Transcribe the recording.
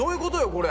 これ。